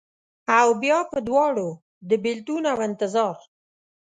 اوبیا په دواړو، د بیلتون اوانتظار